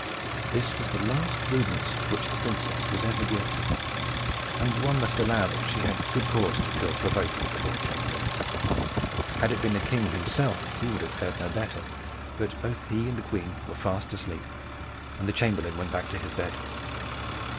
This was the last rudeness of which the princess was ever guilty; and one must allow that she had good cause to feel provoked with the lord chamberlain. Had it been the king himself, he would have fared no better. But both he and the queen were fast asleep. And the chamberlain went back to his bed.